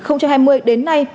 tổng số tiền giao dịch đánh bạc